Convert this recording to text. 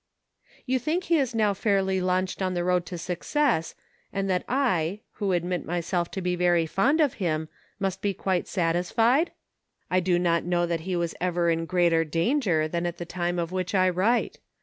You think he is now fairly launched on the road to success, and that I, who admit myself to be very fond of him, must be quite satisfied .' I do not know that he was ever in greater danger than at the time of which I write.